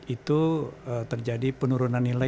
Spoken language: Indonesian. itu terjadi penurunan nilai